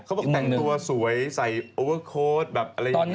เขาบอกแต่งตัวสวยใส่โอเวอร์โค้ดแบบอะไรอย่างนี้